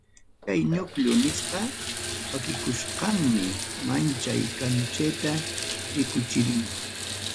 Chay núcleo nisqa pakikusqanmi manchay kanchayta rikurichin.